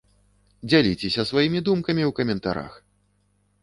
Дзяліцеся сваімі думкамі ў каментарах!